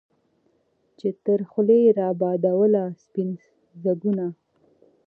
چا تر خولې را بادوله سپین ځګونه